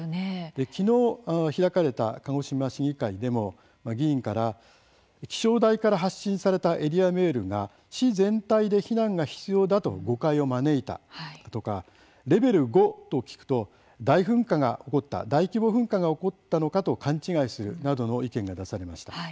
きのう開かれた鹿児島市議会でも議員から気象台から発信されたエリアメールが市全体で避難が必要だと誤解を招いたとかレベル５と聞くと大噴火が起こった大規模噴火が起こったのかと勘違いするなどの意見が出されました。